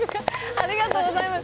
ありがとうございます。